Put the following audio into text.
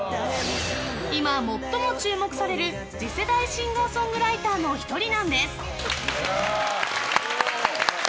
今、最も注目される次世代シンガーソングライターの１人なんです！